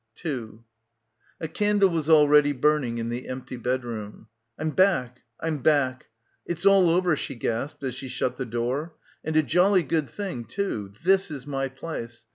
A candle was already burning in the empty bedroom. "I'm back. I'm back. It's all over," she gasped as she shut the door. "And a jolly good thing too. This is my place.